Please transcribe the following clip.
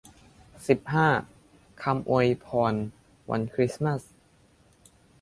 สิบห้า คำอวยพรวันคริสต์มาส